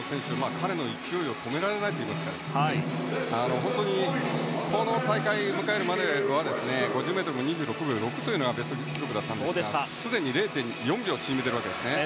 彼の勢いを止められないといいますかこの大会を迎えるまでは５０ｍも２６秒６というのがベスト記録だったんですがすでに０．４秒縮めていますからね。